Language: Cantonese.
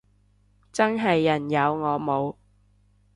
真係人有我冇